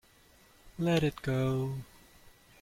Let it go.